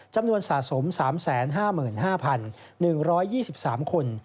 จำนวนสะสม๓๕๕๑๒๓คน